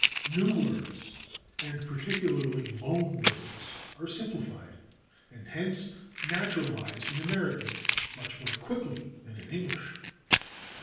New words, and particularly loan words, are simplified, and hence naturalized in American much more quickly than in English.